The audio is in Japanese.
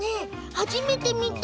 初めて見た。